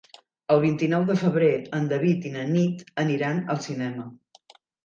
El vint-i-nou de febrer en David i na Nit aniran al cinema.